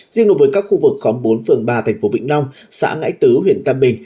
riêng đối với các khu vực khóm bốn phường ba thành phố vĩnh long xã ngãi tứ huyện tam bình